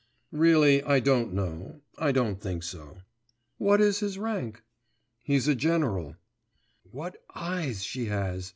'Really I don't know; I don't think so.' 'What is his rank?' 'He's a general.' 'What eyes she has!